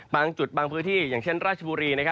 บางจุดบางพื้นที่อย่างเช่นราชบุรี